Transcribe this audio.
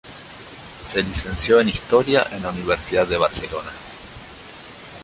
Se licenció en Historia en la Universidad de Barcelona.